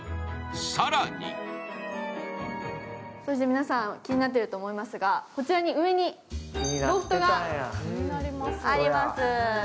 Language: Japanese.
更に皆さん気になっていると思いますがこちら上にロフトがあります。